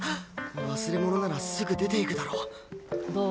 忘れ物ならすぐ出て行くだろうどう？